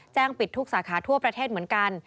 ปิดทุกสาขาทั่วประเทศเหมือนกัน